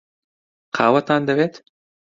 قاوەتان دەوێت؟